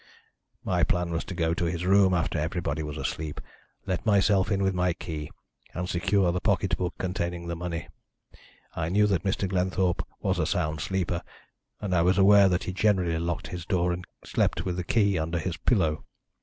"My plan was to go to his room after everybody was asleep, let myself in with my key, and secure the pocket book containing the money. I knew that Mr. Glenthorpe was a sound sleeper, and I was aware that he generally locked his door and slept with the key under his pillow.